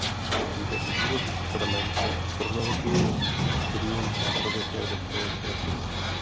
Jde o důležitý pramen pro chronologii a studium starověké řecké literatury.